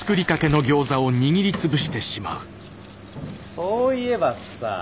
そういえばさ